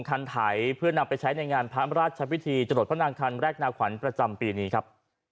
ครันไถพฤนทส์นำไปใช้ในงานพระอราชวัฒน์พิธีจทธิพระนางคันแรกนาขวัรประจำปีนี้ครับ